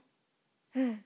うん。